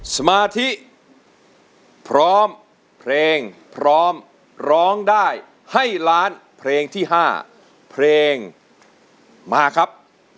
สมาธิพร้อมเพลงพร้อมร้องได้ให้ล้านเพลงที่๕เพลงมาครับ